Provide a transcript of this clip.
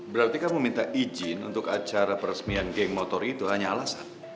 berarti kan meminta izin untuk acara peresmian geng motor itu hanya alasan